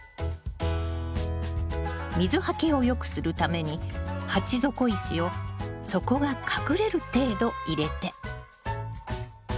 水はけをよくするために鉢底石を底が隠れる程度入れて。